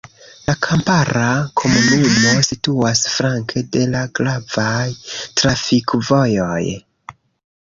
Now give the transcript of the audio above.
La kampara komunumo situas flanke de la gravaj trafikvojoj.